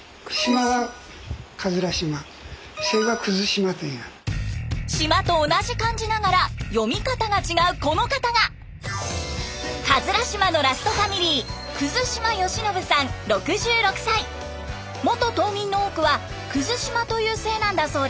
島と同じ漢字ながら読み方が違うこの方が島のラストファミリー元島民の多くは島という姓なんだそうです。